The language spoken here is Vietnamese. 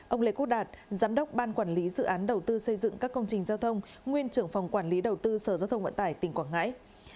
bảy ông lê quốc đạt giám đốc ban quản lý dự án đầu tư xây dựng các công trình giao thông nguyên trưởng phòng quản lý đầu tư sở giao thông vận tải tỉnh quảng ngãi